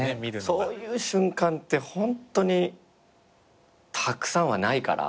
そういう瞬間ってホントにたくさんはないから。